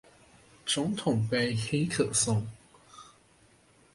總統盃黑客松